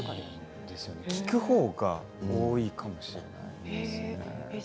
聞くほうが多いかもしれないです。